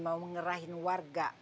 mau ngerahin warga